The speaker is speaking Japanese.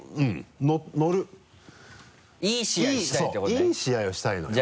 いい試合をしたいのよ。